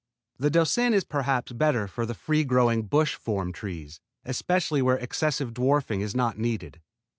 The Doucin is perhaps better for the free growing bush form trees, especially where excessive dwarfing is not needed.